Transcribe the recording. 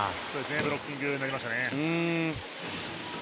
ブロッキングになりましたね。